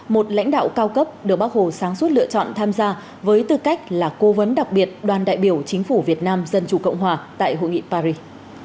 một lãnh đạo cao cấp được bác hồ sáng suốt lựa chọn tham gia với tư cách là cố vấn đặc biệt đoàn đại biểu chính phủ việt nam dân chủ cộng hòa tại hội nghị paris